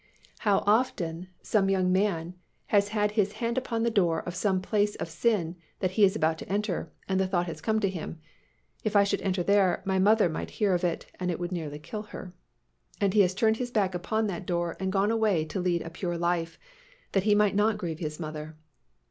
How often some young man has had his hand upon the door of some place of sin that he is about to enter and the thought has come to him, "If I should enter there, my mother might hear of it and it would nearly kill her," and he has turned his back upon that door and gone away to lead a pure life, that he might not grieve his mother.